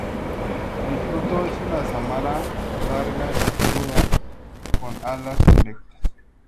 El fruto es una sámara larga y peluda; con alas erectas.